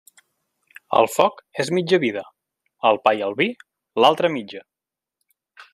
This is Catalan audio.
El foc és mitja vida; el pa i el vi, l'altra mitja.